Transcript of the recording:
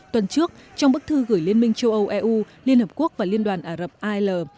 tuần trước trong bức thư gửi liên minh châu âu eu liên hợp quốc và liên đoàn ả rập al